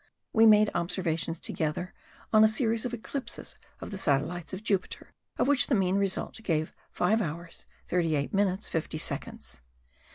We made observations together on a series of eclipses of the satellites of Jupiter, of which the mean result gave 5 hours 38 minutes 50 seconds.